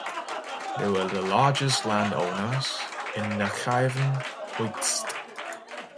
They were the largest landowners in Nakhchivan uyezd.